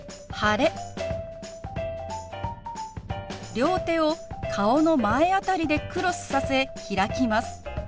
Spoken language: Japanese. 両手を顔の前あたりでクロスさせ開きます。